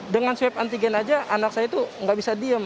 dengan swab antigen aja anak saya itu nggak bisa diem